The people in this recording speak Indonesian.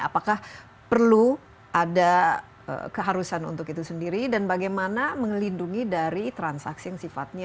apakah perlu ada keharusan untuk itu sendiri dan bagaimana mengelindungi dari transaksi yang sifatnya